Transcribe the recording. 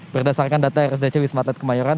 berdasarkan data rsdc wisma atlet kemayoran